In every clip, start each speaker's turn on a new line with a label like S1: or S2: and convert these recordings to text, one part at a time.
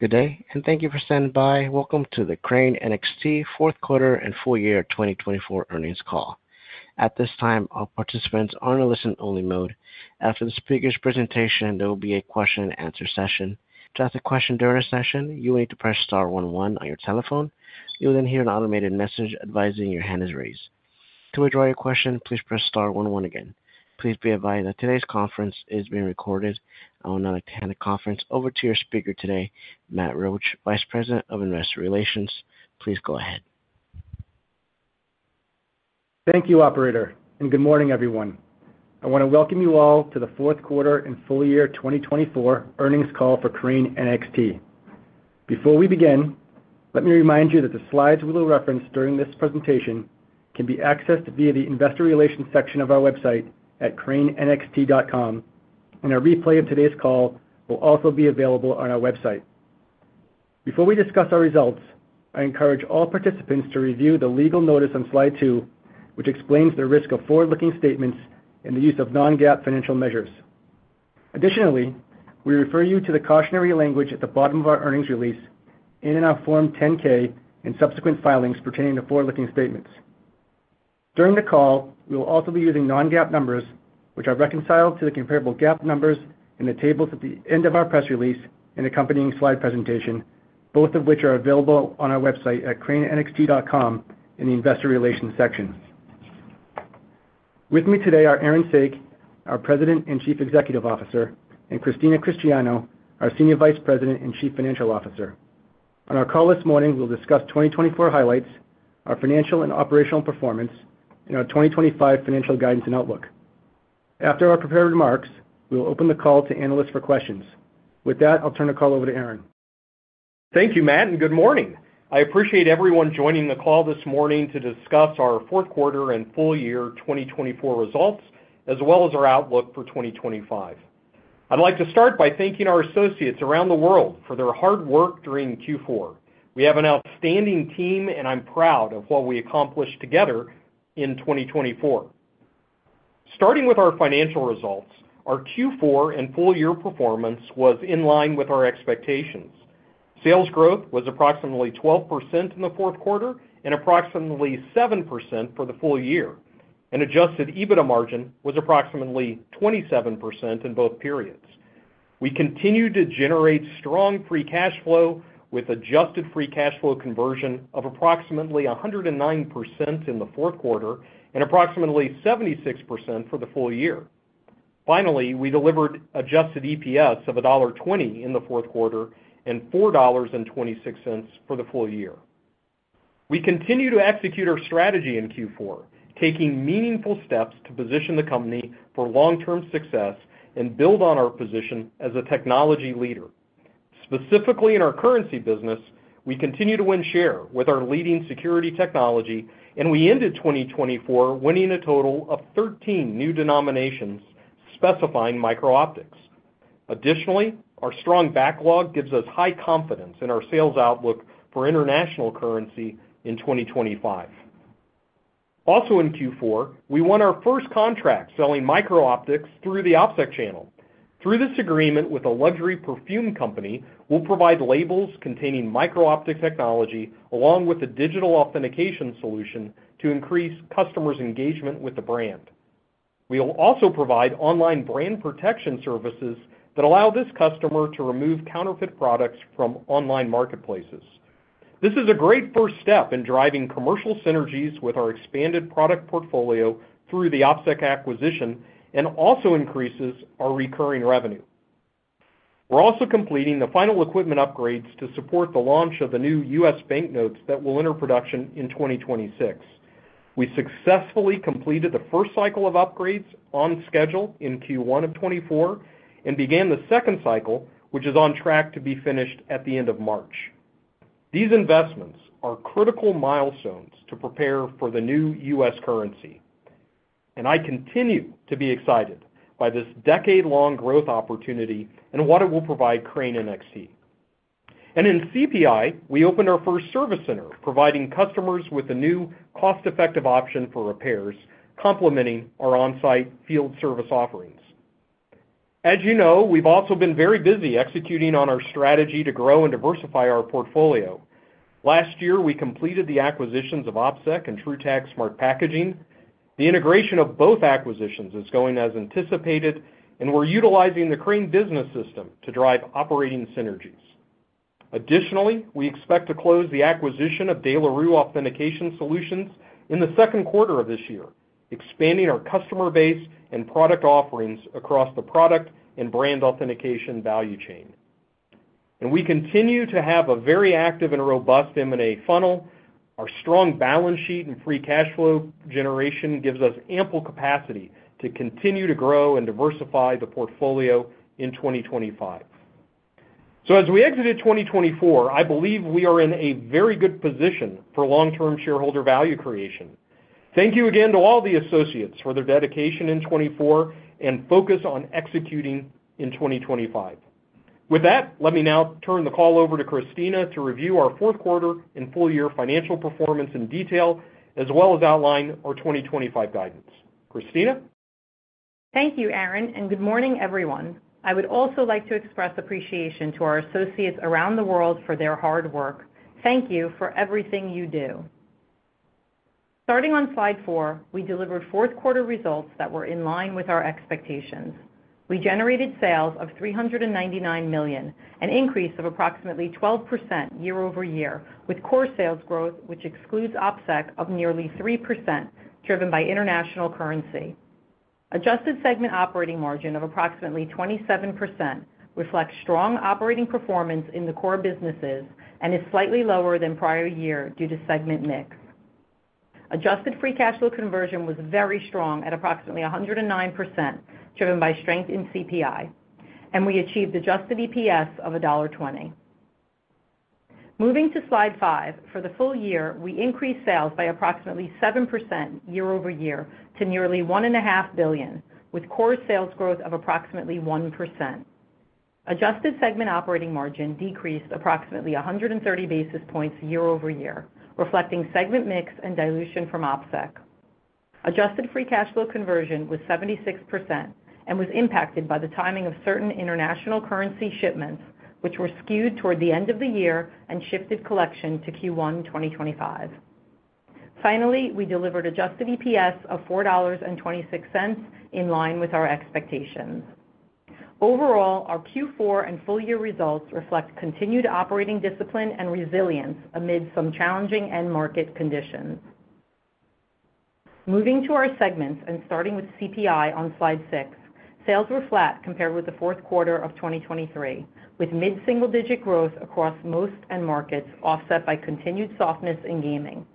S1: Good day, and thank you for standing by. Welcome to the Crane NXT Q4 and Full-Year 2024 Earnings Call. At this time, all participants are in a listen-only mode. After the speaker's presentation, there will be a question-and-answer session. To ask a question during the session, you will need to press star one one on your telephone. You will then hear an automated message advising your hand is raised. To withdraw your question, please press star one one again. Please be advised that today's conference is being recorded. I will now turn the conference over to your speaker today, Matt Roche, Vice President of Investor Relations. Please go ahead.
S2: Thank you, Operator, and good morning, everyone. I want to welcome you all to the Q4 and Full-Year 2024 Earnings Call for Crane NXT. Before we begin, let me remind you that the slides we will reference during this presentation can be accessed via the Investor Relations section of our website at cranenxt.com, and a replay of today's call will also be available on our website. Before we discuss our results, I encourage all participants to review the legal notice on slide two, which explains the risk of forward-looking statements and the use of non-GAAP financial measures. Additionally, we refer you to the cautionary language at the bottom of our earnings release and in our Form 10-K and subsequent filings pertaining to forward-looking statements. During the call, we will also be using non-GAAP numbers, which are reconciled to the comparable GAAP numbers in the tables at the end of our press release and accompanying slide presentation, both of which are available on our website at cranenxt.com in the Investor Relations section. With me today are Aaron Saak, our President and Chief Executive Officer, and Christina Cristiano, our Senior Vice President and Chief Financial Officer. On our call this morning, we'll discuss 2024 highlights, our financial and operational performance, and our 2025 financial guidance and outlook. After our prepared remarks, we'll open the call to analysts for questions. With that, I'll turn the call over to Aaron.
S3: Thank you, Matt, and good morning. I appreciate everyone joining the call this morning to discuss our Q4 and full-year 2024 results, as well as our outlook for 2025. I'd like to start by thanking our associates around the world for their hard work during Q4. We have an outstanding team, and I'm proud of what we accomplished together in 2024. Starting with our financial results, our Q4 and full year performance was in line with our expectations. Sales growth was approximately 12% in the Q4 and approximately 7% for the full year. An Adjusted EBITDA margin was approximately 27% in both periods. We continued to generate strong free cash flow with adjusted free cash flow conversion of approximately 109% in the Q4 and approximately 76% for the full-year. Finally, we delivered Adjusted EPS of $1.20 in the Q4 and $4.26 for the full year. We continue to execute our strategy in Q4, taking meaningful steps to position the company for long-term success and build on our position as a technology leader. Specifically, in our currency business, we continue to win share with our leading security technology, and we ended 2024 winning a total of 13 new denominations specifying micro-optics. Additionally, our strong backlog gives us high confidence in our sales outlook for international currency in 2025. Also, in Q4, we won our first contract selling micro-optics through the OpSec channel. Through this agreement with a luxury perfume company, we'll provide labels containing micro-optic technology along with a digital authentication solution to increase customers' engagement with the brand. We will also provide online brand protection services that allow this customer to remove counterfeit products from online marketplaces. This is a great first step in driving commercial synergies with our expanded product portfolio through the OpSec acquisition and also increases our recurring revenue. We're also completing the final equipment upgrades to support the launch of the new U.S. banknotes that will enter production in 2026. We successfully completed the first cycle of upgrades on schedule in Q1 of 2024 and began the second cycle, which is on track to be finished at the end of March. These investments are critical milestones to prepare for the new U.S. currency, and I continue to be excited by this decade-long growth opportunity and what it will provide Crane NXT. In CPI, we opened our first service center, providing customers with a new cost-effective option for repairs, complementing our on-site field service offerings. As you know, we've also been very busy executing on our strategy to grow and diversify our portfolio. Last year, we completed the acquisitions of OpSec and TruTag smart packaging. The integration of both acquisitions is going as anticipated, and we're utilizing the Crane Business System to drive operating synergies. Additionally, we expect to close the acquisition of De La Rue Authentication Solutions in the second quarter of this year, expanding our customer base and product offerings across the product and brand authentication value chain. We continue to have a very active and robust M&A funnel. Our strong balance sheet and free cash flow generation gives us ample capacity to continue to grow and diversify the portfolio in 2025. So, as we exited 2024, I believe we are in a very good position for long-term shareholder value creation. Thank you again to all the associates for their dedication in 2024 and focus on executing in 2025. With that, let me now turn the call over to Christina to review our Q4 and full-year financial performance in detail, as well as outline our 2025 guidance. Christina?
S4: Thank you, Aaron, and good morning, everyone. I would also like to express appreciation to our associates around the world for their hard work. Thank you for everything you do. Starting on slide four, we delivered Q4 results that were in line with our expectations. We generated sales of $399 million, an increase of approximately 12% year-over-year, with core sales growth, which excludes OpSec, of nearly 3%, driven by international currency. Adjusted segment operating margin of approximately 27% reflects strong operating performance in the core businesses and is slightly lower than prior year due to segment mix. Adjusted free cash flow conversion was very strong at approximately 109%, driven by strength in CPI, and we achieved adjusted EPS of $1.20. Moving to slide five, for the full year, we increased sales by approximately 7% year-over-year to nearly $1.5 billion, with core sales growth of approximately 1%. Adjusted segment operating margin decreased approximately 130 basis points year-over-year, reflecting segment mix and dilution from OpSec. Adjusted free cash flow conversion was 76% and was impacted by the timing of certain international currency shipments, which were skewed toward the end of the year and shifted collection to Q1 2025. Finally, we delivered adjusted EPS of $4.26, in line with our expectations. Overall, our Q4 and full-year results reflect continued operating discipline and resilience amid some challenging end-market conditions. Moving to our segments and starting with CPI on slide six, sales were flat compared with the Q4 of 2023, with mid-single digit growth across most end markets offset by continued softness in gaming.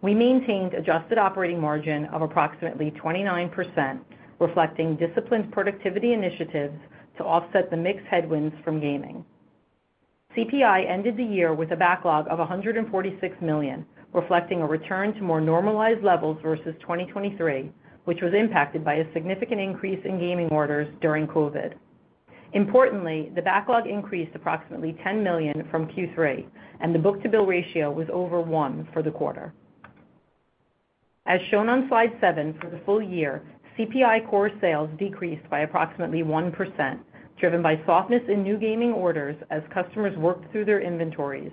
S4: We maintained adjusted operating margin of approximately 29%, reflecting disciplined productivity initiatives to offset the mixed headwinds from gaming. CPI ended the year with a backlog of $146 million, reflecting a return to more normalized levels versus 2023, which was impacted by a significant increase in gaming orders during COVID. Importantly, the backlog increased approximately $10 million from Q3, and the book-to-bill ratio was over one for the quarter. As shown on slide seven, for the full year, CPI core sales decreased by approximately 1%, driven by softness in new gaming orders as customers worked through their inventories,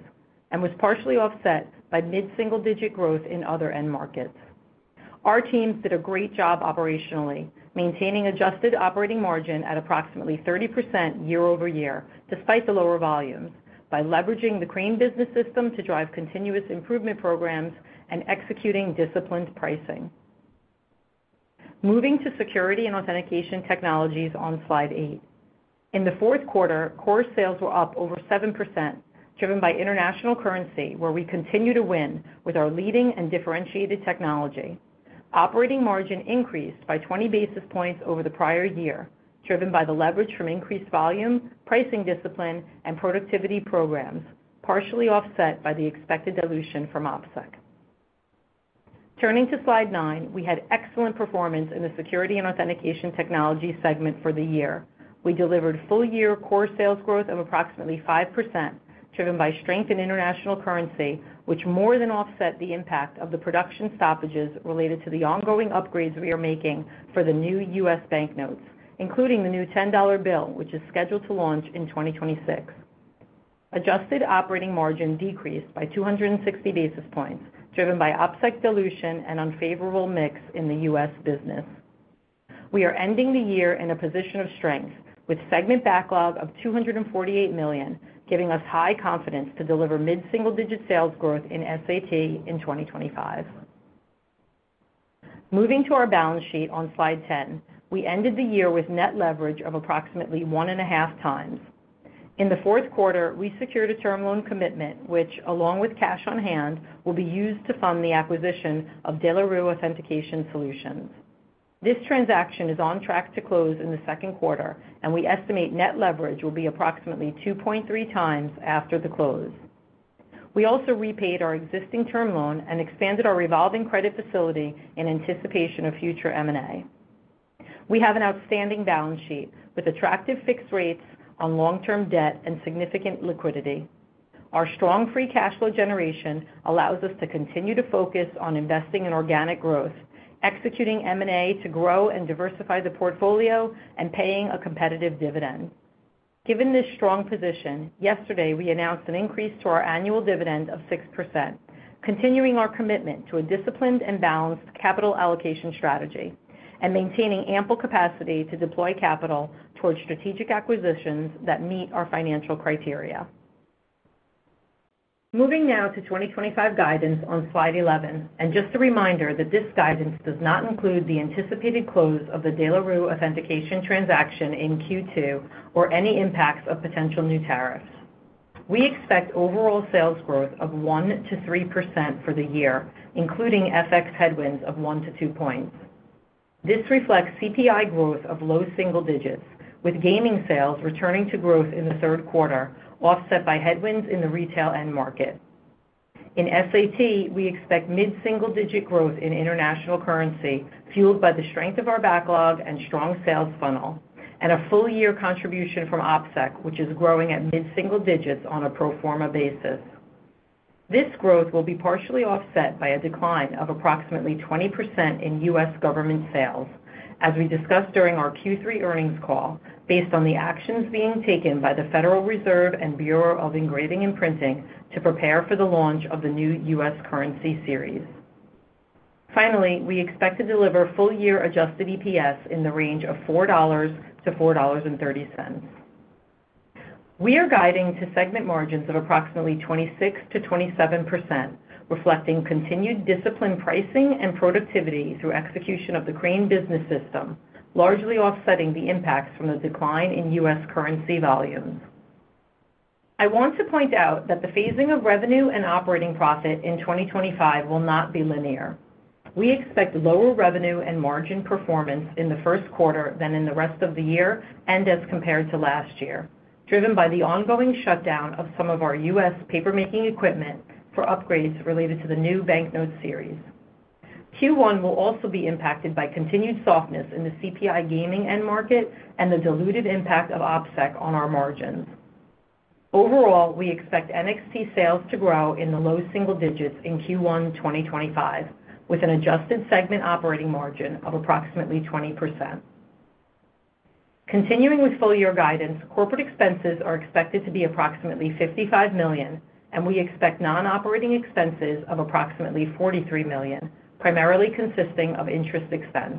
S4: and was partially offset by mid-single digit growth in other end markets. Our teams did a great job operationally, maintaining adjusted operating margin at approximately 30% year-over-year, despite the lower volumes, by leveraging the Crane Business System to drive continuous improvement programs and executing disciplined pricing. Moving to Security and Authentication Technologies on slide eight. In the Q4, core sales were up over 7%, driven by international currency, where we continue to win with our leading and differentiated technology. Operating margin increased by 20 basis points over the prior year, driven by the leverage from increased volume, pricing discipline, and productivity programs, partially offset by the expected dilution from OpSec. Turning to slide nine, we had excellent performance in the security and authentication technology segment for the year. We delivered full-year core sales growth of approximately 5%, driven by strength in international currency, which more than offset the impact of the production stoppages related to the ongoing upgrades we are making for the new U.S. banknotes, including the new $10 bill, which is scheduled to launch in 2026. Adjusted operating margin decreased by 260 basis points, driven by OpSec dilution and unfavorable mix in the U.S. business. We are ending the year in a position of strength, with segment backlog of $248 million, giving us high confidence to deliver mid-single digit sales growth in SAT in 2025. Moving to our balance sheet on slide 10, we ended the year with net leverage of approximately one and a half times. In the Q4, we secured a term loan commitment, which, along with cash on hand, will be used to fund the acquisition of De La Rue Authentication Solutions. This transaction is on track to close in the second quarter, and we estimate net leverage will be approximately 2.3× after the close. We also repaid our existing term loan and expanded our revolving credit facility in anticipation of future M&A. We have an outstanding balance sheet with attractive fixed rates on long-term debt and significant liquidity. Our strong free cash flow generation allows us to continue to focus on investing in organic growth, executing M&A to grow and diversify the portfolio, and paying a competitive dividend. Given this strong position, yesterday we announced an increase to our annual dividend of 6%, continuing our commitment to a disciplined and balanced capital allocation strategy and maintaining ample capacity to deploy capital toward strategic acquisitions that meet our financial criteria. Moving now to 2025 guidance on slide 11, and just a reminder that this guidance does not include the anticipated close of the De La Rue authentication transaction in Q2 or any impacts of potential new tariffs. We expect overall sales growth of 1%-3% for the year, including FX headwinds of 1%-2% points. This reflects CPI growth of low single-digits, with gaming sales returning to growth in the third quarter, offset by headwinds in the retail end market. In SAT, we expect mid-single digit growth in international currency, fueled by the strength of our backlog and strong sales funnel, and a full-year contribution from OpSec, which is growing at mid-single digits on a pro forma basis. This growth will be partially offset by a decline of approximately 20% in U.S. government sales, as we discussed during our Q3 earnings call, based on the actions being taken by the Federal Reserve and Bureau of Engraving and Printing to prepare for the launch of the new U.S. currency series. Finally, we expect to deliver full year adjusted EPS in the range of $4.00-$4.30. We are guiding to segment margins of approximately 26%-27%, reflecting continued disciplined pricing and productivity through execution of the Crane Business System, largely offsetting the impacts from the decline in U.S. currency volumes. I want to point out that the phasing of revenue and operating profit in 2025 will not be linear. We expect lower revenue and margin performance in the first quarter than in the rest of the year and as compared to last year, driven by the ongoing shutdown of some of our U.S. paper-making equipment for upgrades related to the new banknote series. Q1 will also be impacted by continued softness in the CPI gaming end market and the diluted impact of OpSec on our margins. Overall, we expect NXT sales to grow in the low single-digits in Q1 2025, with an adjusted segment operating margin of approximately 20%. Continuing with full-year guidance, corporate expenses are expected to be approximately $55 million, and we expect non-operating expenses of approximately $43 million, primarily consisting of interest expense.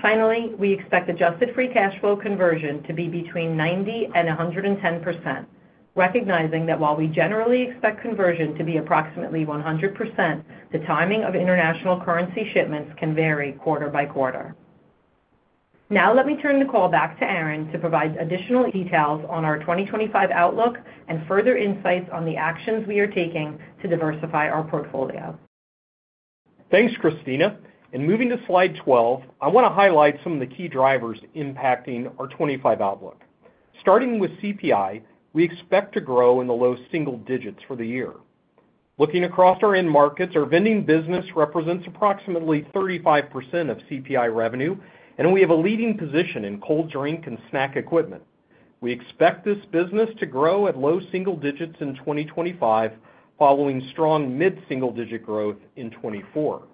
S4: Finally, we expect adjusted free cash flow conversion to be between 90% and 110%, recognizing that while we generally expect conversion to be approximately 100%, the timing of international currency shipments can vary quarter-by-quarter. Now, let me turn the call back to Aaron to provide additional details on our 2025 outlook and further insights on the actions we are taking to diversify our portfolio.
S3: Thanks, Christina. Moving to slide 12, I want to highlight some of the key drivers impacting our 2025 outlook. Starting with CPI, we expect to grow in the low single-digits for the year. Looking across our end markets, our vending business represents approximately 35% of CPI revenue, and we have a leading position in cold drink and snack equipment. We expect this business to grow at low single-digits in 2025, following strong mid-single digit growth in 2024.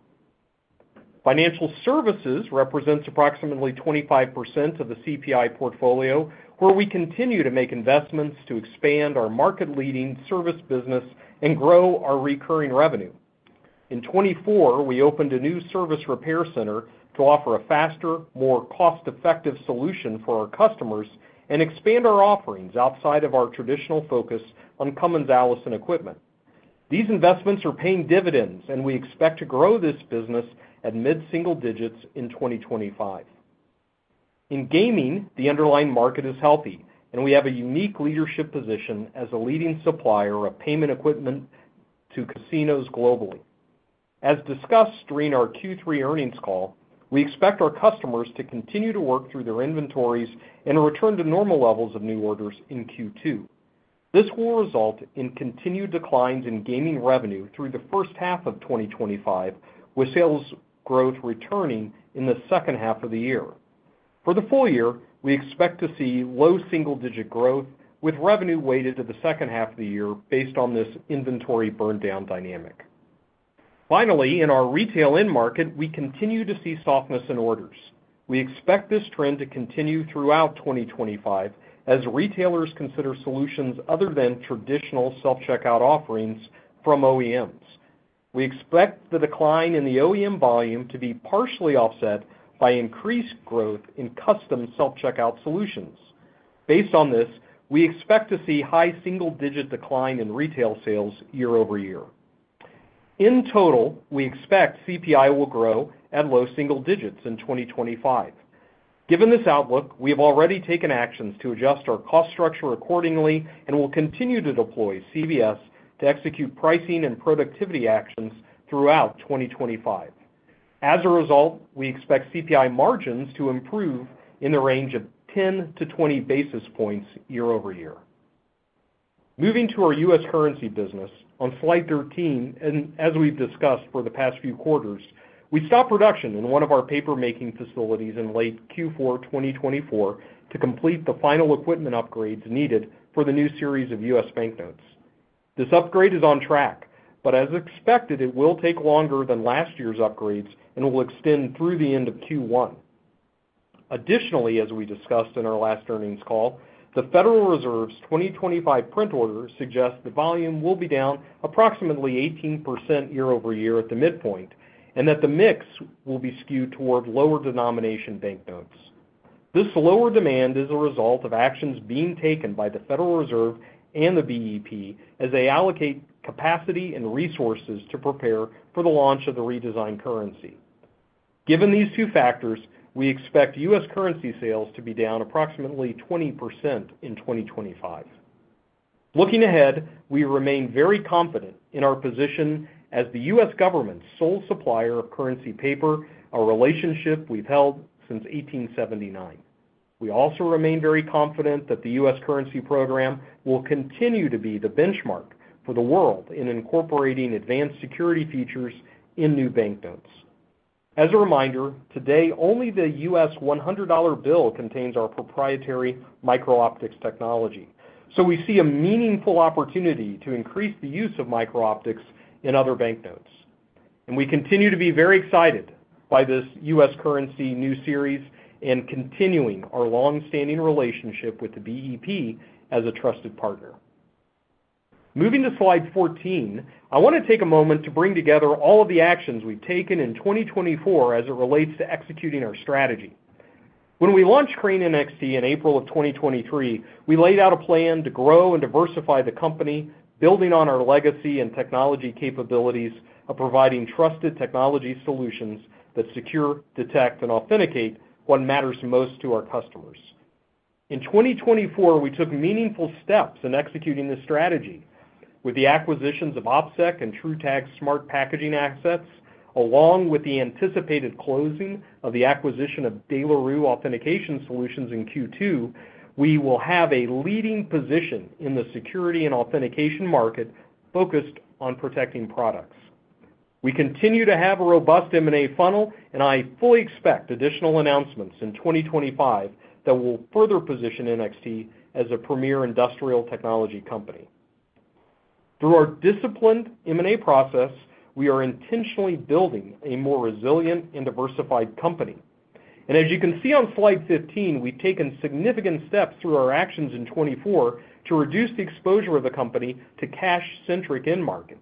S3: Financial services represents approximately 25% of the CPI portfolio, where we continue to make investments to expand our market-leading service business and grow our recurring revenue. In 2024, we opened a new service repair center to offer a faster, more cost-effective solution for our customers and expand our offerings outside of our traditional focus on Cummins Allison equipment. These investments are paying dividends, and we expect to grow this business at mid-single digits in 2025. In gaming, the underlying market is healthy, and we have a unique leadership position as a leading supplier of payment equipment to casinos globally. As discussed during our Q3 earnings call, we expect our customers to continue to work through their inventories and return to normal levels of new orders in Q2. This will result in continued declines in gaming revenue through the first half of 2025, with sales growth returning in the second half of the year. For the full-year, we expect to see low single-digit growth, with revenue weighted to the second half of the year based on this inventory burn-down dynamic. Finally, in our retail end market, we continue to see softness in orders. We expect this trend to continue throughout 2025 as retailers consider solutions other than traditional self-checkout offerings from OEMs. We expect the decline in the OEM volume to be partially offset by increased growth in custom self-checkout solutions. Based on this, we expect to see high single-digit decline in retail sales year-over-year. In total, we expect CPI will grow at low single-digits in 2025. Given this outlook, we have already taken actions to adjust our cost structure accordingly and will continue to deploy CBS to execute pricing and productivity actions throughout 2025. As a result, we expect CPI margins to improve in the range of 10-20 basis points year-over-year. Moving to our U.S. currency business, on slide 13, and as we've discussed for the past few quarters, we stopped production in one of our paper-making facilities in late Q4 2024 to complete the final equipment upgrades needed for the new series of U.S. banknotes. This upgrade is on track, but as expected, it will take longer than last year's upgrades and will extend through the end of Q1. Additionally, as we discussed in our last earnings call, the Federal Reserve's 2025 print order suggests the volume will be down approximately 18% year-over-year at the midpoint and that the mix will be skewed toward lower denomination banknotes. This lower demand is a result of actions being taken by the Federal Reserve and the BEP as they allocate capacity and resources to prepare for the launch of the redesigned currency. Given these two factors, we expect U.S. currency sales to be down approximately 20% in 2025. Looking ahead, we remain very confident in our position as the U.S. government's sole supplier of currency paper, a relationship we've held since 1879. We also remain very confident that the U.S. currency program will continue to be the benchmark for the world in incorporating advanced security features in new banknotes. As a reminder, today, only the U.S. $100 bill contains our proprietary micro-optics technology, so we see a meaningful opportunity to increase the use of micro-optics in other banknotes and we continue to be very excited by this U.S. currency new series and continuing our long-standing relationship with the BEP as a trusted partner. Moving to slide 14, I want to take a moment to bring together all of the actions we've taken in 2024 as it relates to executing our strategy. When we launched Crane NXT in April of 2023, we laid out a plan to grow and diversify the company, building on our legacy and technology capabilities of providing trusted technology solutions that secure, detect, and authenticate what matters most to our customers. In 2024, we took meaningful steps in executing this strategy. With the acquisitions of OpSec and TruTag smart packaging assets, along with the anticipated closing of the acquisition of De La Rue Authentication Solutions in Q2, we will have a leading position in the security and authentication market focused on protecting products. We continue to have a robust M&A funnel, and I fully expect additional announcements in 2025 that will further position NXT as a premier industrial technology company. Through our disciplined M&A process, we are intentionally builing a more resilient and diversified company. As you can see on slide 15, we've taken significant steps through our actions in 2024 to reduce the exposure of the company to cash-centric end markets.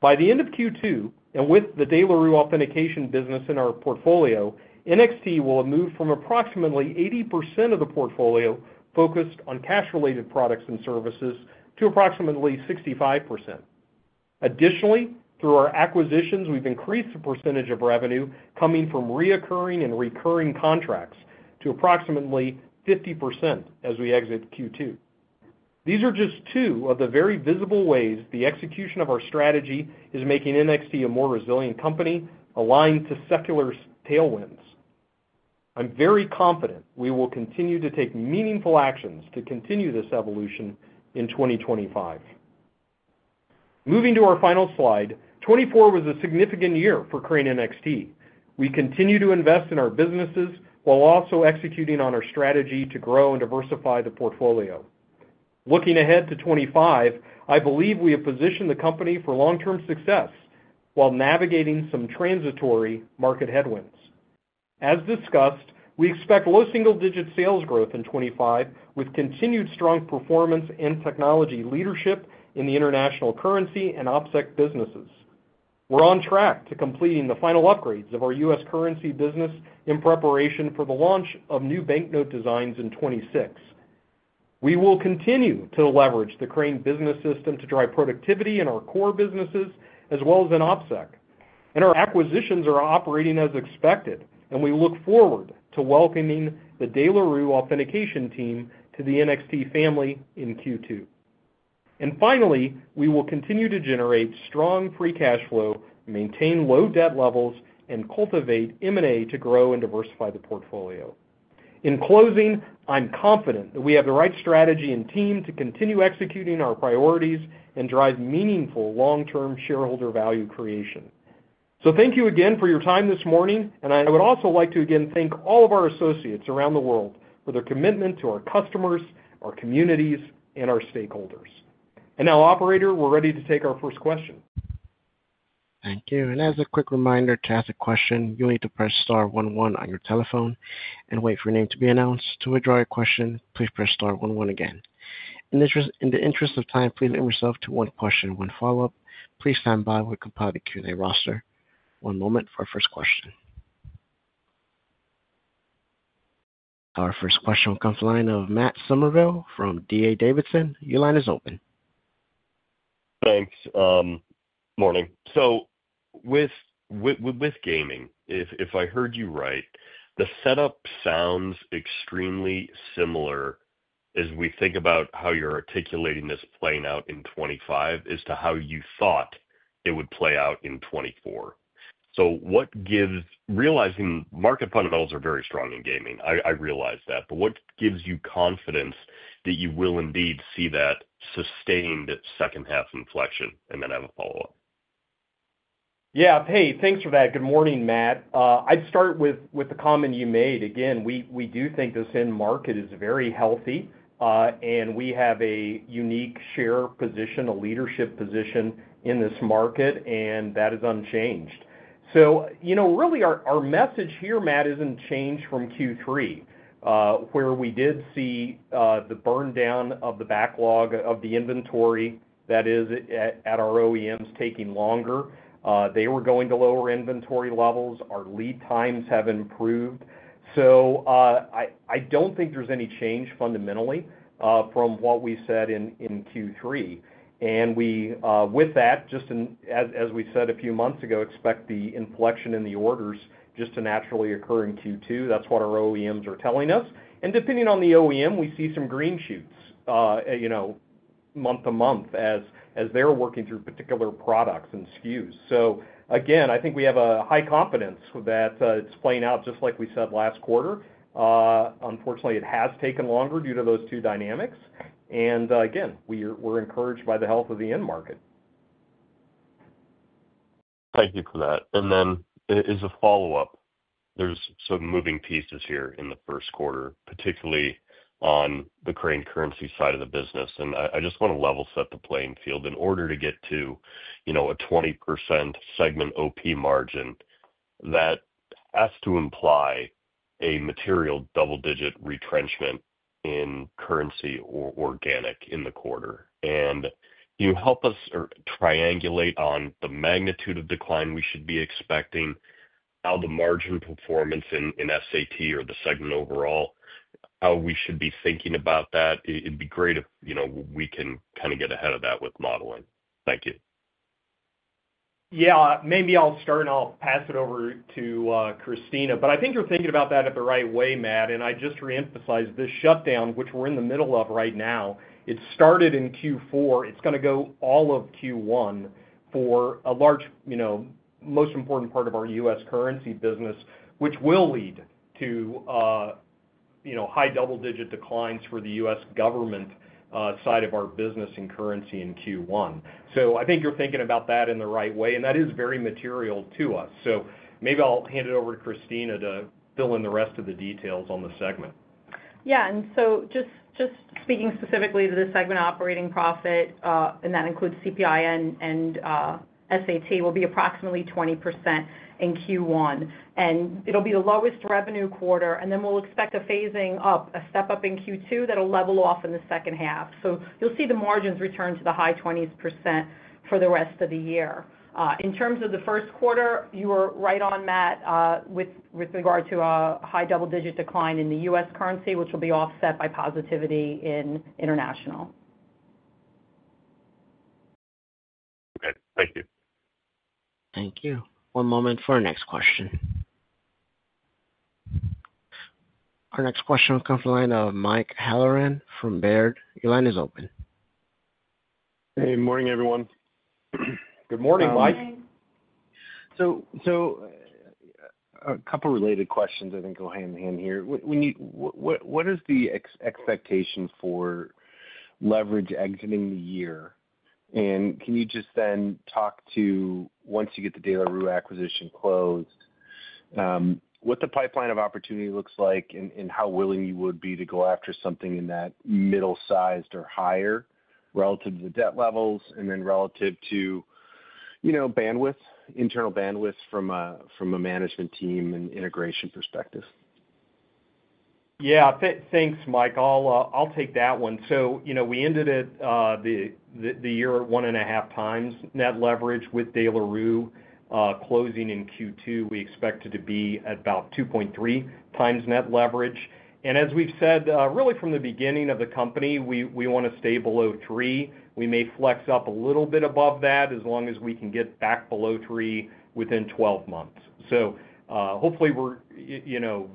S3: By the end of Q2 and with the De La Rue authentication business in our portfolio, NXT will have moved from approximately 80% of the portfolio focused on cash-related products and services to approximately 65%. Additionally, through our acquisitions, we've increased the percentage of revenue coming from reoccurring and recurring contracts to approximately 50% as we exit Q2. These are just two of the very visible ways the execution of our strategy is making NXT a more resilient company aligned to secular tailwinds. I'm very confident we will continue to take meaningful actions to continue this evolution in 2025. Moving to our final slide, 2024 was a significant year for Crane NXT. We continue to invest in our businesses while also executing on our strategy to grow and diversify the portfolio. Looking ahead to 2025, I believe we have positioned the company for long-term success while navigating some transitory market headwinds. As discussed, we expect low single-digit sales growth in 2025 with continued strong performance and technology leadership in the international currency and OpSec businesses. We're on track to completing the final upgrades of our U.S. currency business in preparation for the launch of new banknote designs in 2026. We will continue to leverage the Crane Business System to drive productivity in our core businesses as well as in OpSec. Our acquisitions are operating as expected, and we look forward to welcoming the De La Rue authentication team to the NXT family in Q2. Finally, we will continue to generate strong free cash flow, maintain low debt levels, and cultivate M&A to grow and diversify the portfolio. In closing, I'm confident that we have the right strategy and team to continue executing our priorities and drive meaningful long-term shareholder value creation. So thank you again for your time this morning, and I would also like to again thank all of our associates around the world for their commitment to our customers, our communities, and our stakeholders. Now, Operator, we're ready to take our first question.
S1: Thank you. As a quick reminder to ask a question, you'll need to press star one one on your telephone and wait for your name to be announced. To withdraw your question, please press star one one again. In the interest of time, please limit yourself to one question, one follow-up. Please stand by. We'll compile the Q&A roster. One moment for our first question. Our first question will come from the line of Matt Summerville from D.A. Davidson. Your line is open.
S5: Thanks. Morning. So with gaming, if I heard you right, the setup sounds extremely similar as we think about how you're articulating this playing out in 2025 as to how you thought it would play out in 2024. So what gives, realizing market fundamentals are very strong in gaming, I realize that, but what gives you confidence that you will indeed see that sustained second-half inflection and then have a follow-up?
S3: Yeah. Hey, thanks for that. Good morning, Matt. I'd start with the comment you made. Again, we do think this end market is very healthy, and we have a unique share position, a leadership position in this market, and that is unchanged. So really, our message here, Matt, isn't changed from Q3, where we did see the burn-down of the backlog of the inventory that is at our OEMs taking longer. They were going to lower inventory levels. Our lead times have improved. So I don't think there's any change fundamentally from what we said in Q3. With that, just as we said a few months ago, expect the inflection in the orders just to naturally occur in Q2. That's what our OEMs are telling us and depending on the OEM, we see some green shoots month to month as they're working through particular products and SKUs. So again, I think we have a high confidence that it's playing out just like we said last quarter. Unfortunately, it has taken longer due to those two dynamics. Again, we're encouraged by the health of the end market.
S5: Thank you for that. Then as a follow-up, there's some moving pieces here in the first quarter, particularly on the Crane Currency side of the business and I just want to level set the playing field in order to get to a 20% segment OP margin that has to imply a material double-digit retrenchment in currency or organic in the quarter. Can you help us triangulate on the magnitude of decline we should be expecting, how the margin performance in SAT or the segment overall, how we should be thinking about that? It'd be great if we can kind of get ahead of that with modeling. Thank you.
S3: Yeah. Maybe I'll start and I'll pass it over to Christina. But I think you're thinking about that in the right way, Matt, and I just reemphasize this shutdown, which we're in the middle of right now. It started in Q4. It's going to go all of Q1 for a large most important part of our U.S. currency business, which will lead to high double-digit declines for the U.S. government side of our business in currency in Q1. So I think you're thinking about that in the right way, and that is very material to us. So maybe I'll hand it over to Christina to fill in the rest of the details on the segment.
S4: Yeah. So just speaking specifically to the segment operating profit, and that includes CPI and SAT, will be approximately 20% in Q1 and it'll be the lowest revenue quarter. Then we'll expect a phasing up, a step up in Q2 that'll level off in the second half. So you'll see the margins return to the high 20% for the rest of the year. In terms of the first quarter, you were right on, Matt, with regard to a high double-digit decline in the U.S. currency, which will be offset by positivity in international.
S5: Okay. Thank you.
S1: Thank you. One moment for our next question. Our next question will come from the line of Mike Halloran from Baird. Your line is open.
S6: Hey. Morning, everyone.
S3: Good morning, Mike.
S6: So a couple of related questions. I think we'll hand them in here. What is the expectation for leverage exiting the year? Can you just then talk to, once you get the De La Rue acquisition closed, what the pipeline of opportunity looks like and how willing you would be to go after something in that middle-sized or higher relative to the debt levels, and then relative to bandwidth, internal bandwidth from a management team and integration perspective?
S3: Yeah. Thanks, Mike. I'll take that one. So we ended the year at one and a half times net leverage with De La Rue. Closing in Q2, we expect it to be at about 2.3 times net leverage. As we've said, really from the beginning of the company, we want to stay below three. We may flex up a little bit above that as long as we can get back below three within 12 months. So hopefully, we're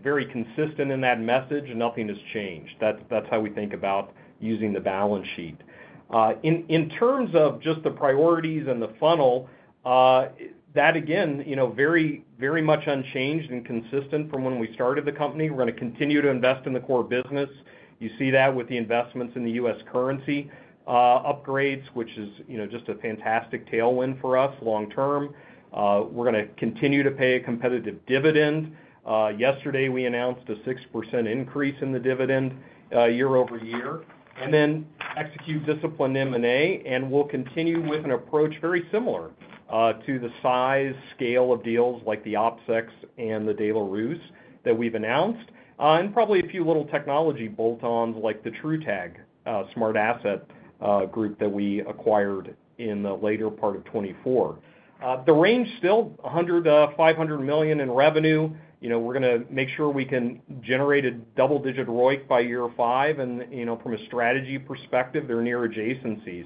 S3: very consistent in that message, and nothing has changed. That's how we think about using the balance sheet. In terms of just the priorities and the funnel, that, again, very much unchanged and consistent from when we started the company. We're going to continue to invest in the core business. You see that with the investments in the U.S. currency upgrades, which is just a fantastic tailwind for us long-term. We're going to continue to pay a competitive dividend. Yesterday, we announced a 6% increase in the dividend year-over-year. We will then execute disciplined M&A, and we'll continue with an approach very similar to the size, scale of deals like the OpSec's and the De La Rue's that we've announced, and probably a few little technology bolt-ons like the TruTag Technologies that we acquired in the later part of 2024. The range still $100-$500 million in revenue. We're going to make sure we can generate a double-digit ROIC by year five, and from a strategy perspective, they're near adjacencies,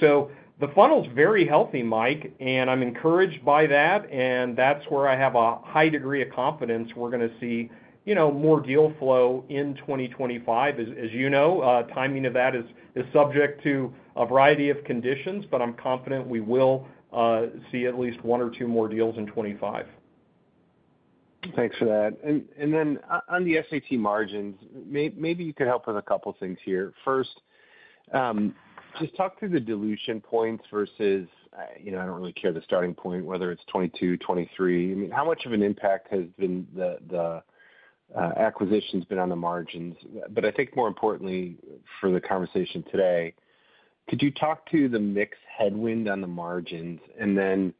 S3: so the funnel's very healthy, Mike, and I'm encouraged by that, and that's where I have a high degree of confidence we're going to see more deal flow in 2025. As you know, timing of that is subject to a variety of conditions, but I'm confident we will see at least one or two more deals in 2025.
S6: Thanks for that. Then on the SAT margins, maybe you could help with a couple of things here. First, just talk through the dilution points versus I don't really care the starting point, whether it's 2022, 2023. I mean, how much of an impact has the acquisitions been on the margins? But I think more importantly for the conversation today, could you talk to the mix headwind on the margins and then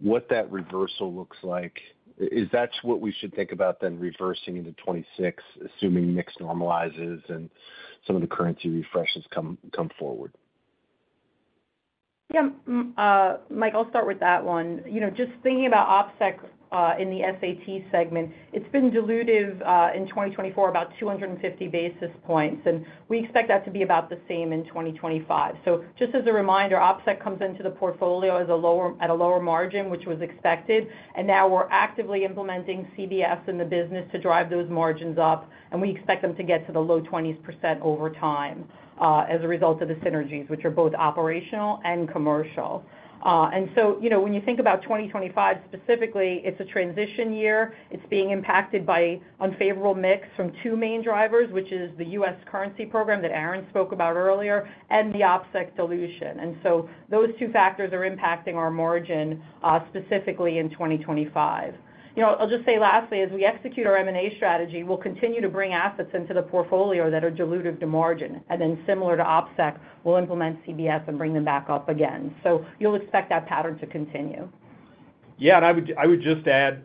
S6: what that reversal looks like? Is that what we should think about then reversing into 2026, assuming mix normalizes and some of the currency refreshes come forward?
S4: Yeah. Mike, I'll start with that one. Just thinking about OpSec in the SAT segment, it's been dilutive in 2024, about 250 basis points and we expect that to be about the same in 2025. So just as a reminder, OpSec comes into the portfolio at a lower margin, which was expected and now we're actively implementing CBS in the business to drive those margins up and we expect them to get to the low 20% over time as a result of the synergies, which are both operational and commercial. So when you think about 2025 specifically, it's a transition year. It's being impacted by unfavorable mix from two main drivers, which is the U.S. currency program that Aaron spoke about earlier and the OpSec dilution. So those two factors are impacting our margin specifically in 2025. I'll just say lastly, as we execute our M&A strategy, we'll continue to bring assets into the portfolio that are dilutive to margin, and then similar to OpSec, we'll implement CBS and bring them back up again, so you'll expect that pattern to continue.
S3: Yeah. I would just add,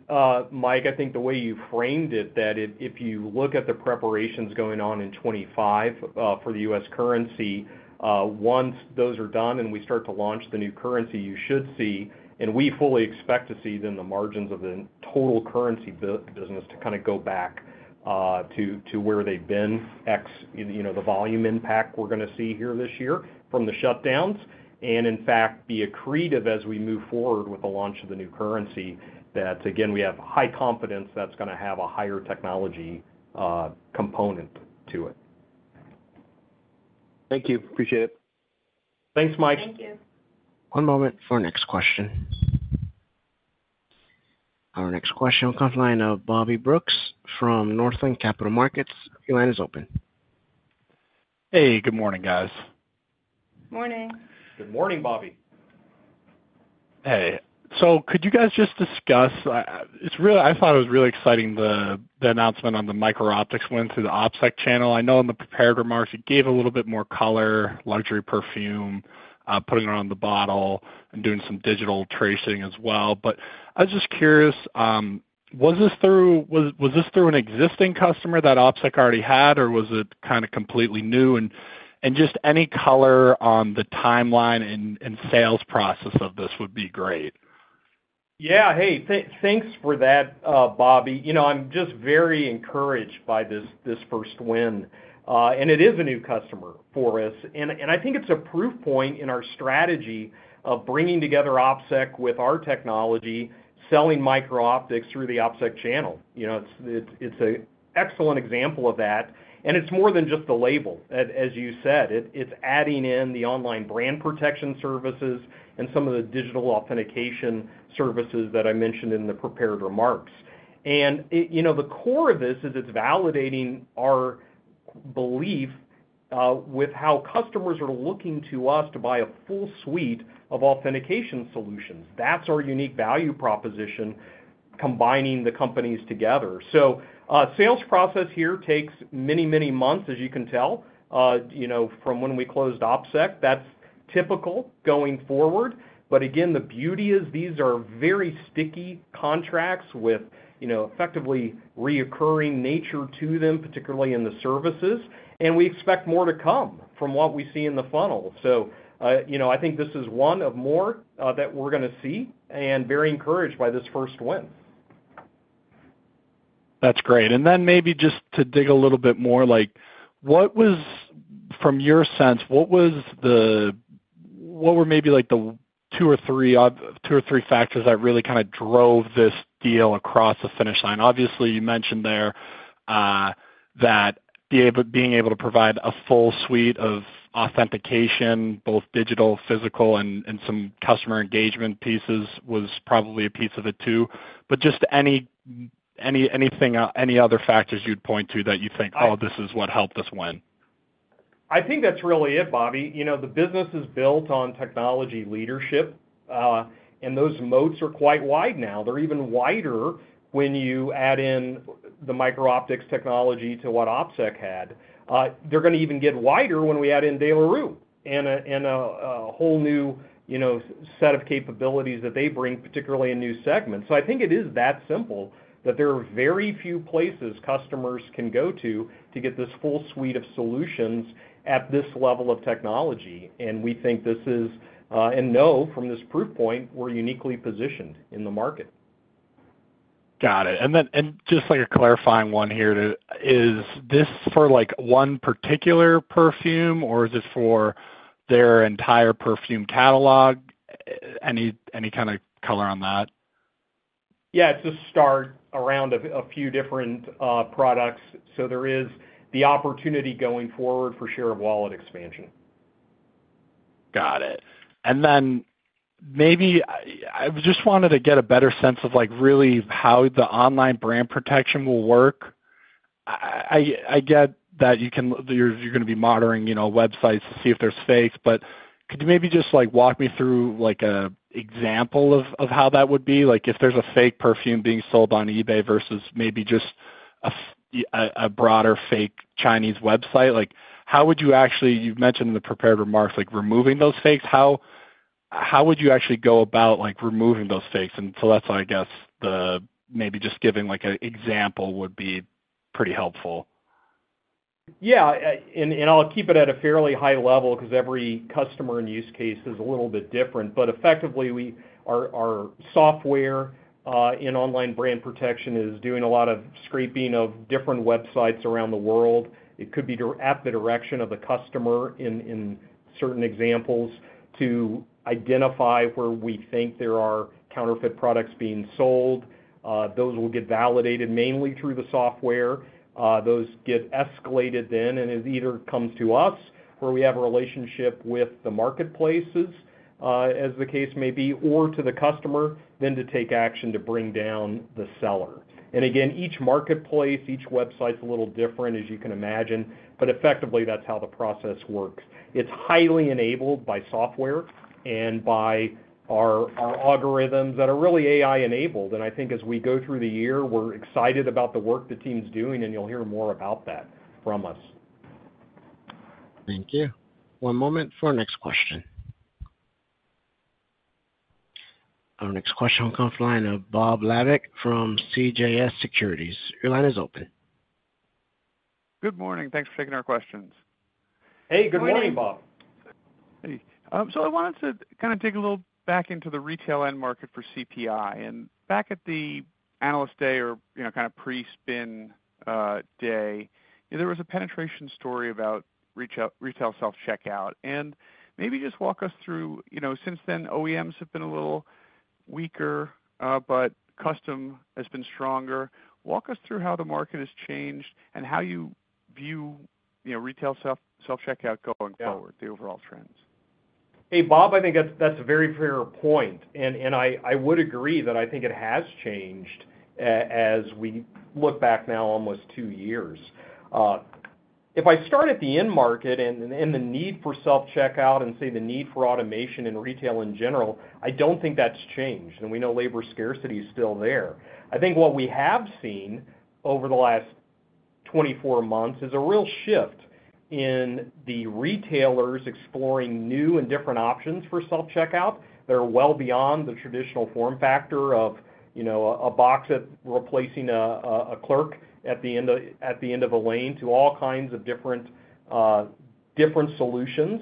S3: Mike, I think the way you framed it, that if you look at the preparations going on in 2025 for the U.S. currency, once those are done and we start to launch the new currency, you should see, and we fully expect to see then the margins of the total currency business to kind of go back to where they've been ex the volume impact we're going to see here this year from the shutdowns and in fact be accretive as we move forward with the launch of the new currency that, again, we have high confidence that's going to have a higher technology component to it.
S6: Thank you. Appreciate it.
S3: Thanks, Mike.
S4: Thank you.
S1: One moment for our next question. Our next question will come from the line of Bobby Brooks from Northland Capital Markets. Your line is open.
S7: Hey. Good morning, guys.
S4: Morning.
S3: Good morning, Bobby.
S8: Hey. So could you guys just discuss? I thought it was really exciting, the announcement on the micro-optics went through the OpSec channel. I know in the prepared remarks, it gave a little bit more color, luxury perfume, putting it on the bottle, and doing some digital tracing as well. But I was just curious, was this through an existing customer that OpSec already had, or was it kind of completely new and just any color on the timeline and sales process of this would be great.
S3: Yeah. Hey, thanks for that, Bobby. I'm just very encouraged by this first win and it is a new customer for us. I think it's a proof point in our strategy of bringing together OpSec with our technology, selling micro-optics through the OpSec channel. It's an excellent example of that and it's more than just the label, as you said. It's adding in the online brand protection services and some of the digital authentication services that I mentioned in the prepared remarks. Tthe core of this is it's validating our belief with how customers are looking to us to buy a full suite of authentication solutions. That's our unique value proposition, combining the companies together. So sales process here takes many, many months, as you can tell, from when we closed OpSec. That's typical going forward. But again, the beauty is these are very sticky contracts with effectively recurring nature to them, particularly in the services and we expect more to come from what we see in the funnel. So I think this is one of more that we're going to see, and very encouraged by this first win.
S7: That's great. Then maybe just to dig a little bit more, from your sense, what were maybe the two or three factors that really kind of drove this deal across the finish line? Obviously, you mentioned there that being able to provide a full suite of authentication, both digital, physical, and some customer engagement pieces was probably a piece of it too. But just any other factors you'd point to that you think, "Oh, this is what helped us win"?
S3: I think that's really it, Bobby. The business is built on technology leadership, and those moats are quite wide now. They're even wider when you add in the micro-optics technology to what OpSec had. They're going to even get wider when we add in De La Rue and a whole new set of capabilities that they bring, particularly in new segments. So I think it is that simple that there are very few places customers can go to to get this full suite of solutions at this level of technology and we think this is, and know from this proof point, we're uniquely positioned in the market.
S7: Got it and just like a clarifying one here, is this for one particular perfume, or is it for their entire perfume catalog? Any kind of color on that?
S3: Yeah. It's a start around a few different products. So there is the opportunity going forward for share of wallet expansion.
S7: Got it. Then maybe I just wanted to get a better sense of really how the online brand protection will work. I get that you're going to be monitoring websites to see if there's fakes, but could you maybe just walk me through an example of how that would be? If there's a fake perfume being sold on eBay versus maybe just a broader fake Chinese website, how would you actually, you mentioned in the prepared remarks removing those fakes. How would you actually go about removing those fakes? So that's, I guess, the maybe just giving an example would be pretty helpful.
S3: Yeah. I'll keep it at a fairly high level because every customer and use case is a little bit different. But effectively, our software in online brand protection is doing a lot of scraping of different websites around the world. It could be at the direction of the customer in certain examples to identify where we think there are counterfeit products being sold. Those will get validated mainly through the software. Those get escalated then, and it either comes to us where we have a relationship with the marketplaces, as the case may be, or to the customer then to take action to bring down the seller. Again, each marketplace, each website's a little different, as you can imagine but effectively, that's how the process works. It's highly enabled by software and by our algorithms that are really AI-enabled.I think as we go through the year, we're excited about the work the team's doing, and you'll hear more about that from us.
S1: Thank you. One moment for our next question. Our next question will come from the line of Bob Labick from CJS Securities. Your line is open.
S9: Good morning. Thanks for taking our questions.
S3: Hey. Good morning, Bob.
S9: Hey. So I wanted to kind of dig a little back into the retail end market for CPI, and back at the analyst day or kind of pre-spin day, there was a penetration story about retail self-checkout, and maybe just walk us through since then, OEMs have been a little weaker, but custom has been stronger. Walk us through how the market has changed and how you view retail self-checkout going forward, the overall trends.
S3: Hey, Bob, I think that's a very fair point and I would agree that I think it has changed as we look back now almost two years. If I start at the end market and the need for self-checkout and say the need for automation in retail in general, I don't think that's changed and we know labor scarcity is still there. I think what we have seen over the last 24 months is a real shift in the retailers exploring new and different options for self-checkout. They're well beyond the traditional form factor of a box replacing a clerk at the end of a lane to all kinds of different solutions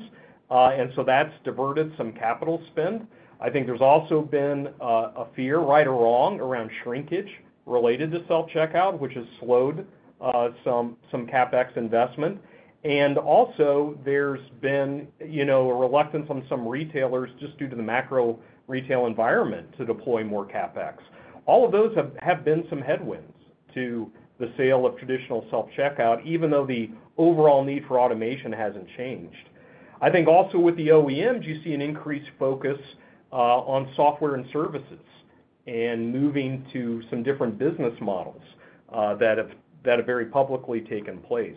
S3: and so that's diverted some capital spend. I think there's also been a fear, right or wrong, around shrinkage related to self-checkout, which has slowed some CapEx investment. Also, there's been a reluctance on some retailers just due to the macro retail environment to deploy more CapEx. All of those have been some headwinds to the sale of traditional self-checkout, even though the overall need for automation hasn't changed. I think also with the OEMs, you see an increased focus on software and services, and moving to some different business models that have very publicly taken place.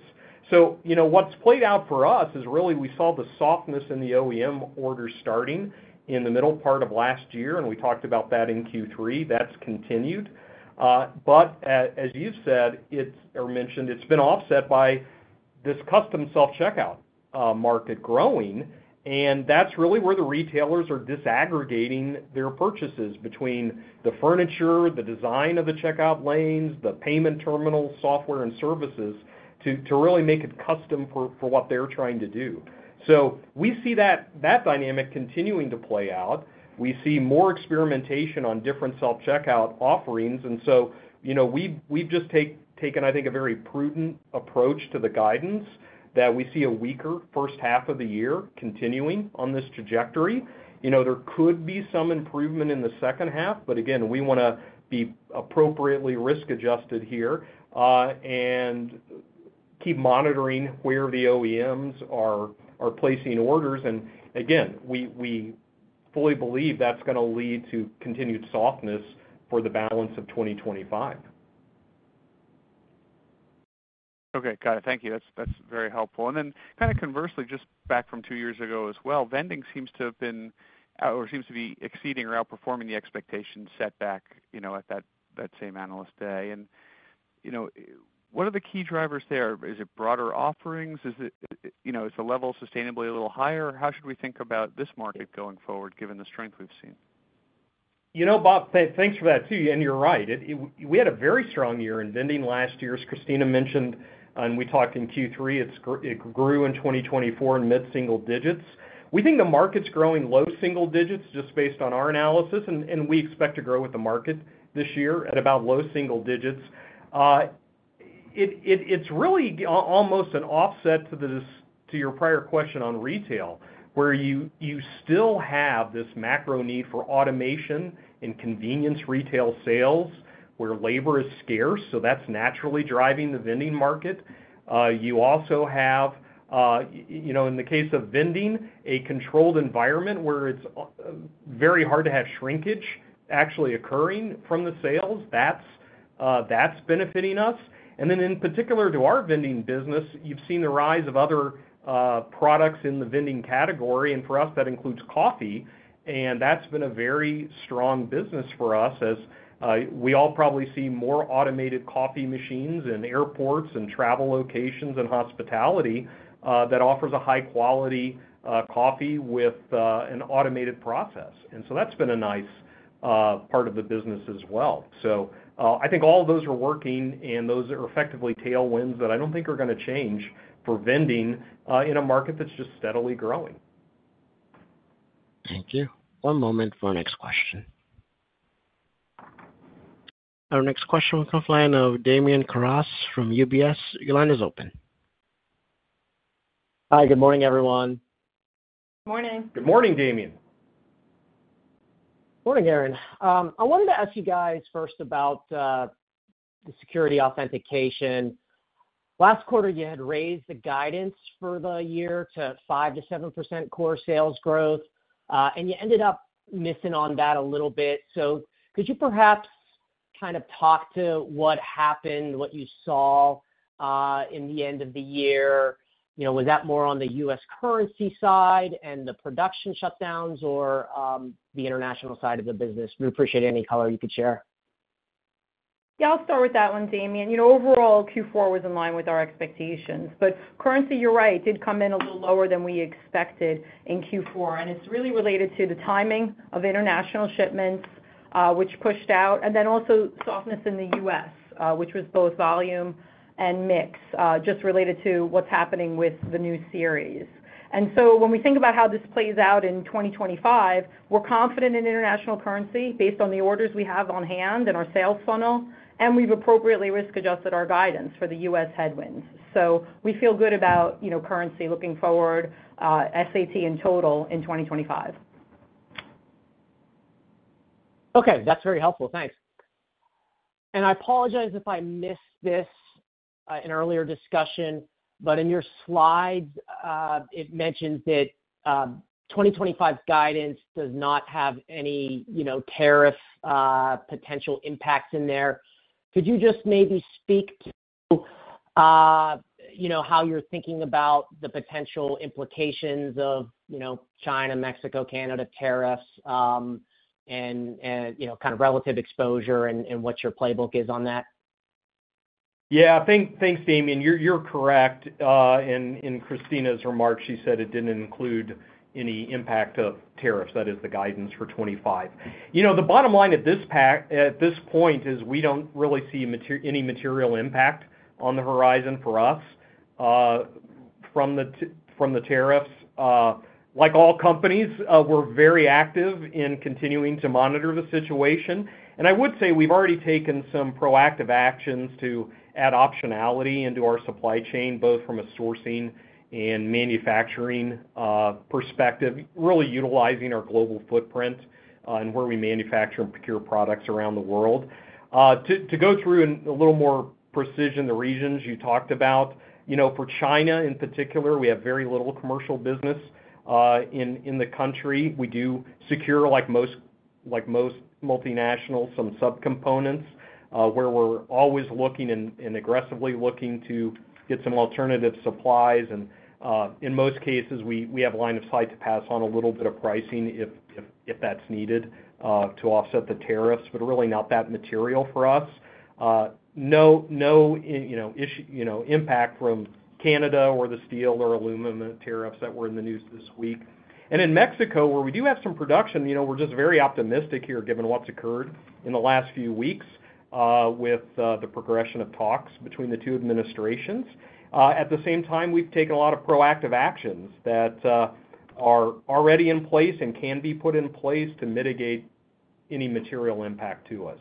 S3: So what's played out for us is really we saw the softness in the OEM order starting in the middle part of last year, and we talked about that in Q3. That's continued. But as you've said or mentioned, it's been offset by this custom self-checkout market growing and that's really where the retailers are disaggregating their purchases between the furniture, the design of the checkout lanes, the payment terminal software and services to really make it custom for what they're trying to do. So we see that dynamic continuing to play out. We see more experimentation on different self-checkout offerings. So we've just taken, I think, a very prudent approach to the guidance that we see a weaker first half of the year continuing on this trajectory. There could be some improvement in the second half, but again, we want to be appropriately risk-adjusted here and keep monitoring where the OEMs are placing orders. Again, we fully believe that's going to lead to continued softness for the balance of 2025.
S9: Okay. Got it. Thank you. That's very helpful. Then kind of conversely, just back from two years ago as well, vending seems to have been or seems to be exceeding or outperforming the expectations set back at that same analyst day. What are the key drivers there? Is it broader offerings? Is the level sustainably a little higher? How should we think about this market going forward, given the strength we've seen?
S3: You know, Bob, thanks for that too, and you're right. We had a very strong year in vending last year, as Christina mentioned, and we talked in Q3. It grew in 2024 in mid-single digits. We think the market's growing low single-digits just based on our analysis, and we expect to grow with the market this year at about low single-digits. It's really almost an offset to your prior question on retail, where you still have this macro need for automation and convenience retail sales where labor is scarce, so that's naturally driving the vending market. You also have, in the case of vending, a controlled environment where it's very hard to have shrinkage actually occurring from the sales. That's benefiting us. Then in particular to our vending business, you've seen the rise of other products in the vending category and for us, that includes coffee. That's been a very strong business for us as we all probably see more automated coffee machines in airports and travel locations and hospitality that offers a high-quality coffee with an automated process. That's been a nice part of the business as well. I think all of those are working, and those are effectively tailwinds that I don't think are going to change for vending in a market that's just steadily growing.
S1: Thank you. One moment for our next question. Our next question will come from the line of Damian Karas from UBS. Your line is open.
S10: Hi. Good morning, everyone.
S4: Good morning.
S3: Good morning, Damian.
S11: Morning, Aaron. I wanted to ask you guys first about the security authentication. Last quarter, you had raised the guidance for the year to 5%-7% core sales growth, and you ended up missing on that a little bit. So could you perhaps kind of talk to what happened, what you saw in the end of the year? Was that more on the U.S. currency side and the production shutdowns or the international side of the business? We appreciate any color you could share.
S4: Yeah. I'll start with that one, Damian. Overall, Q4 was in line with our expectations. But currently, you're right, it did come in a little lower than we expected in Q4 and it's really related to the timing of international shipments, which pushed out, and then also softness in the U.S., which was both volume and mix, just related to what's happening with the new series. So when we think about how this plays out in 2025, we're confident in international currency based on the orders we have on hand and our sales funnel, and we've appropriately risk-adjusted our guidance for the U.S. headwinds. So we feel good about currency looking forward, SAT and total in 2025.
S10: Okay. That's very helpful. Thanks. I apologize if I missed this in earlier discussion, but in your slides, it mentions that 2025 guidance does not have any tariff potential impacts in there. Could you just maybe speak to how you're thinking about the potential implications of China, Mexico, Canada tariffs and kind of relative exposure and what your playbook is on that?
S3: Yeah. Thanks, Damian. You're correct. In Christina's remarks, she said it didn't include any impact of tariffs. That is the guidance for 2025. The bottom line at this point is we don't really see any material impact on the horizon for us from the tariffs. Like all companies, we're very active in continuing to monitor the situation. I would say we've already taken some proactive actions to add optionality into our supply chain, both from a sourcing and manufacturing perspective, really utilizing our global footprint and where we manufacture and procure products around the world. To go through in a little more precision the regions you talked about, for China in particular, we have very little commercial business in the country. We do source, like most multinationals, some subcomponents where we're always looking and aggressively looking to get some alternative supplies. In most cases, we have a line of sight to pass on a little bit of pricing if that's needed to offset the tariffs, but really not that material for us. No impact from Canada or the steel or aluminum tariffs that were in the news this week. In Mexico, where we do have some production, we're just very optimistic here given what's occurred in the last few weeks with the progression of talks between the two administrations. At the same time, we've taken a lot of proactive actions that are already in place and can be put in place to mitigate any material impact to us.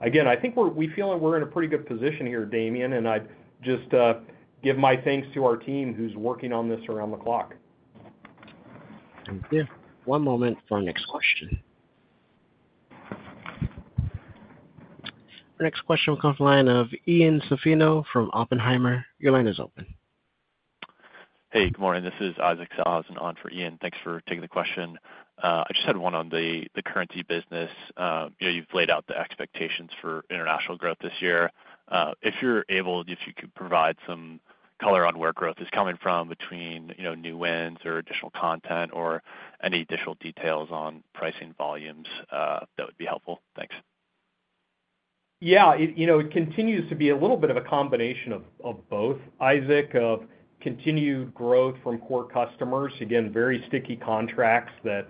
S3: Again, I think we feel that we're in a pretty good position here, Damian, and I'd just give my thanks to our team who's working on this around the clock.
S1: Thank you. One moment for our next question. Our next question will come from the line of Ian Zaffino from Oppenheimer. Your line is open.
S12: Hey. Good morning. This is Isaac Sellhausen on for Ian. Thanks for taking the question. I just had one on the currency business. You've laid out the expectations for international growth this year. If you're able, if you could provide some color on where growth is coming from between new wins or additional content or any additional details on pricing volumes, that would be helpful. Thanks.
S3: Yeah. It continues to be a little bit of a combination of both, Isaac, of continued growth from core customers, again, very sticky contracts that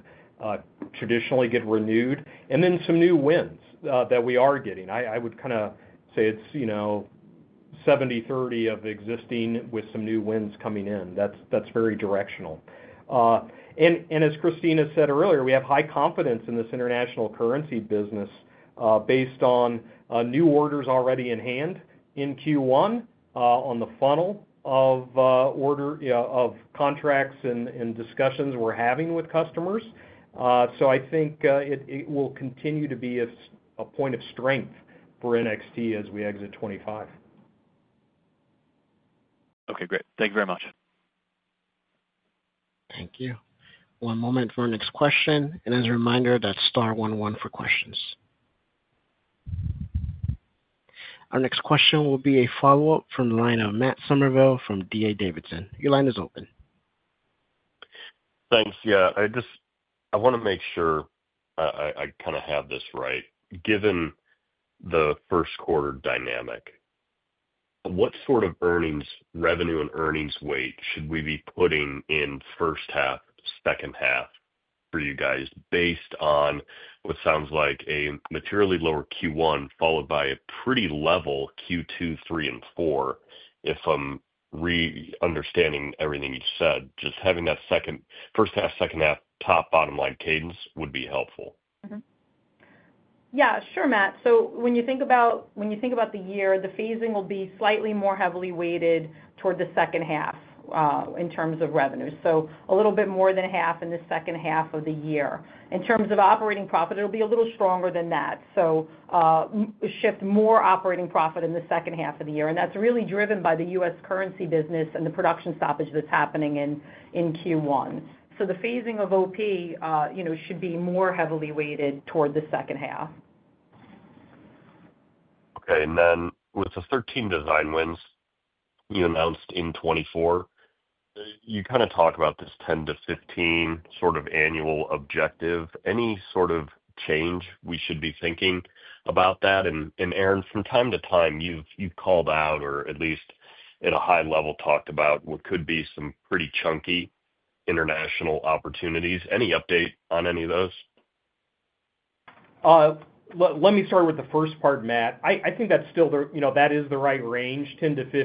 S3: traditionally get renewed, and then some new wins that we are getting. I would kind of say it's 70/30 of existing with some new wins coming in. That's very directional. As Christina said earlier, we have high confidence in this international currency business based on new orders already in hand in Q1 on the funnel of contracts and discussions we're having with customers. So I think it will continue to be a point of strength for NXT as we exit 2025.
S12: Okay. Great. Thank you very much.
S1: Thank you. One moment for our next question. As a reminder, that's star one one for questions. Our next question will be a follow-up from the line of Matt Summerville from D.A. Davidson. Your line is open.
S5: Thanks. Yeah. I want to make sure I kind of have this right. Given the first quarter dynamic, what sort of revenue and earnings weight should we be putting in first half, second half for you guys based on what sounds like a materially lower Q1 followed by a pretty level Q2, Q3, and Q4? If I'm misunderstanding everything you said, just having that first half, second half, top, bottom line cadence would be helpful.
S4: Yeah. Sure, Matt. So when you think about the year, the phasing will be slightly more heavily weighted toward the second half in terms of revenue. So a little bit more than half in the second half of the year. In terms of operating profit, it'll be a little stronger than that. So shift more operating profit in the second half of the year, and that's really driven by the U.S. currency business and the production stoppage that's happening in Q1. So the phasing of OP should be more heavily weighted toward the second half.
S5: Okay. Then with the 13 design wins you announced in 2024, you kind of talked about this 10-15 sort of annual objective. Any sort of change we should be thinking about that? Aaron, from time to time, you've called out or at least at a high level talked about what could be some pretty chunky international opportunities. Any update on any of those?
S3: Let me start with the first part, Matt. I think that's still the right range, 10-15.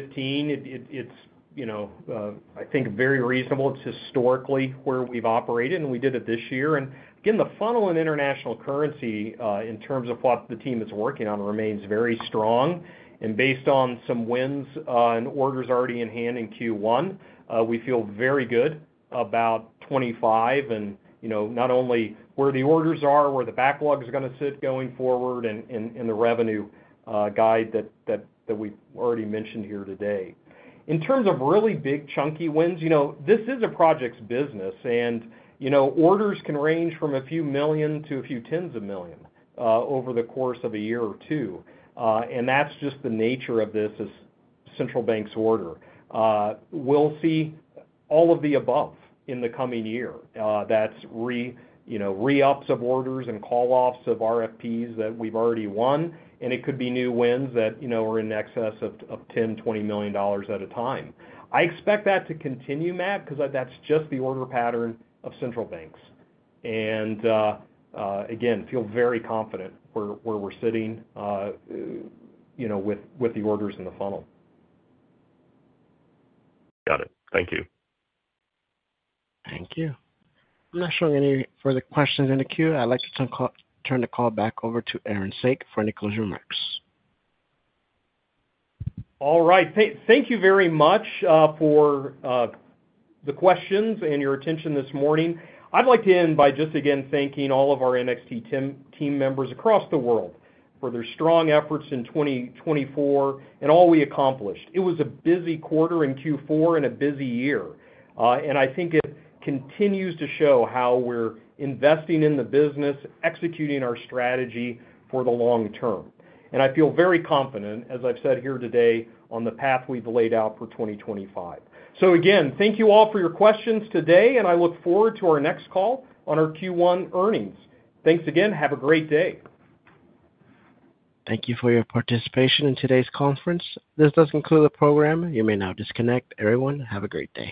S3: It's, I think, very reasonable. It's historically where we've operated, and we did it this year, and again, the funnel in international currency in terms of what the team is working on remains very strong, and based on some wins and orders already in hand in Q1. We feel very good about 2025 and not only where the orders are, where the backlog is going to sit going forward, and the revenue guide that we've already mentioned here today. In terms of really big chunky wins, this is a projects business, and orders can range from a few million to a few tens of million over the course of a year or two, and that's just the nature of this central bank's order. We'll see all of the above in the coming year. That's re-ups of orders and call-offs of RFPs that we've already won, and it could be new wins that are in excess of $10-$20 million at a time. I expect that to continue, Matt, because that's just the order pattern of central banks. Again, feel very confident where we're sitting with the orders in the funnel.
S5: Got it. Thank you.
S1: Thank you. I'm not showing any further questions in the queue. I'd like to turn the call back over to Aaron Saak for any closing remarks.
S3: All right. Thank you very much for the questions and your attention this morning. I'd like to end by just again thanking all of our NXT team members across the world for their strong efforts in 2024 and all we accomplished. It was a busy quarter in Q4 and a busy year. I think it continues to show how we're investing in the business, executing our strategy for the long term. I feel very confident, as I've said here today, on the path we've laid out for 2025. So again, thank you all for your questions today, and I look forward to our next call on our Q1 earnings. Thanks again. Have a great day.
S1: Thank you for your participation in today's conference. This does conclude the program. You may now disconnect. Everyone, have a great day.